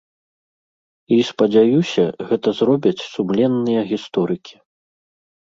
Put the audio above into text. І, спадзяюся, гэта зробяць сумленныя гісторыкі.